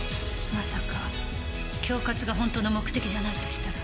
まさか恐喝が本当の目的じゃないとしたら。